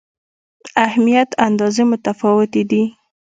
اهمیت اندازې متفاوتې دي.